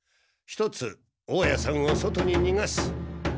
１つ大家さんを外ににがす。